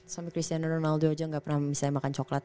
suami cristiano ronaldo aja enggak pernah misalnya makan coklat